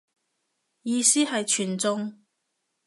意思係全中